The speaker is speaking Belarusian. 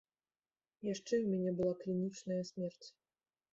Яшчэ ў мяне была клінічная смерць.